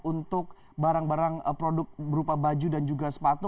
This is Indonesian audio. untuk barang barang produk berupa baju dan juga sepatu